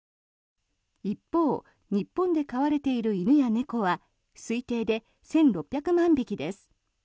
一方、日本で飼われている犬や猫は推定で１６００万匹です。